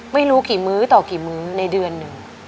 ไม่รู้กี่มื้อต่อกี่มื้อในเดือนหนึ่ง